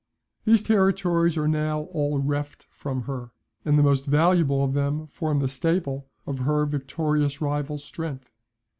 These territories are now all reft from her; and the most valuable of them form the staple of her victorious rival's strength.